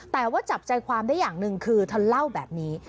แต่ว่าจับใจความได้อย่างหนึ่งคือเธอเล่าแบบนี้